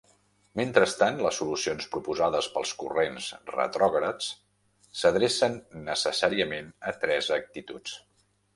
Mentrestant les solucions proposades pels corrents retrògrads s'adrecen necessàriament a tres actituds.